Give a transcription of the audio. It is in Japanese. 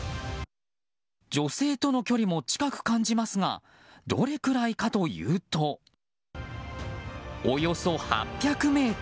女性との距離も近く感じますがどれくらいかというとおよそ８００ｍ。